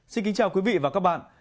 xin kính chào quý vị và các bạn